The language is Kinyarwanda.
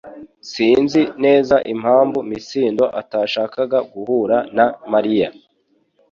Sinzi neza impamvu Mitsindo atashakaga guhura na Mariya